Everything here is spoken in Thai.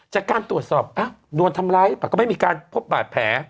จากการตรวจสอบโดนทำร้ายแต่ก็ไม่มีการพบบาดแผล